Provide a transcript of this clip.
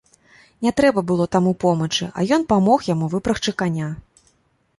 Не трэба было таму помачы, а ён памог яму выпрагчы каня.